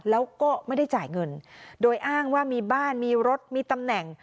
แล้วก็ไม่ได้จ่ายเงินโดยอ้างว่ามีบ้านมีรถมีตำแหน่ง